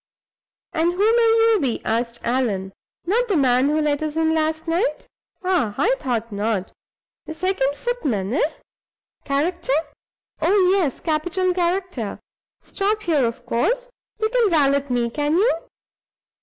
"And who may you be?" asked Allan. "Not the man who let us in last night? Ah, I thought not. The second footman, eh? Character? Oh, yes; capital character. Stop here, of course. You can valet me, can you?